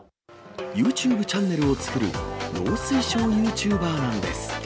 ユーチューブチャンネルを作る、農水省ユーチューバーなんです。